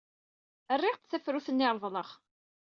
Rriɣ-d tafrut-nni ay reḍleɣ.